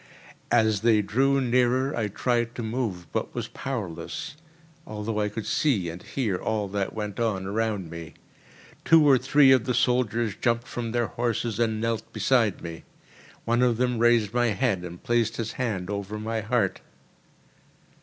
As they drew nearer I tried to move, but was powerless, although I could see and hear all that went on around me. Two or three of the soldiers jumped from their horses and knelt beside me. One of them raised my head, and placed his hand over my heart.